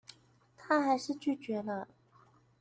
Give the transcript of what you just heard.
她還是拒絕了